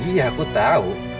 iya aku tahu